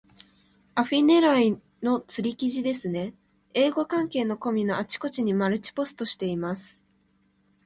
アフィ狙いの釣り記事ですね。英語関係のコミュのあちこちにマルチポストしています。